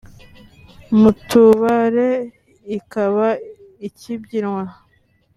mu tubare ikaba ikibyinwa